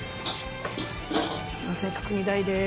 すいません角煮大です。